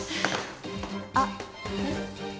あっ！